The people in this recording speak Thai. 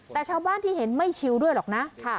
แต่ชาวบ้านที่เห็นไม่ชิวด้วยหรอกนะ